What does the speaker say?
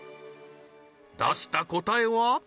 出した答えは？